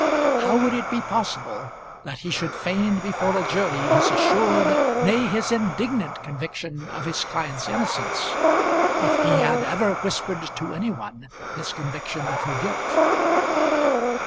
How would it be possible that he should feign before a jury his assured, nay, his indignant conviction of his client's innocence, if he had ever whispered to any one his conviction of her guilt?